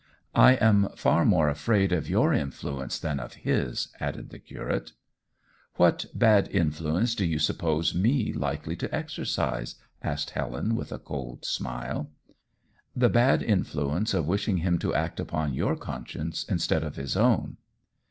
"I am far more afraid of your influence than of his," added the curate. "What bad influence do you suppose me likely to exercise?" asked Helen, with a cold smile. "The bad influence of wishing him to act upon your conscience instead of his own."